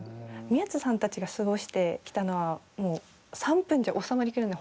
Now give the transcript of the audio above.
宮津さんたちが過ごしてきたのは３分じゃ収まりきらない